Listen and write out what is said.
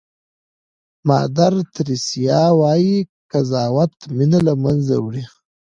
مادر تریسیا وایي قضاوت مینه له منځه وړي.